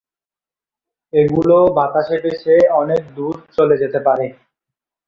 এগুলো বাতাসে ভেসে অনেক দূর চলে যেতে পারে।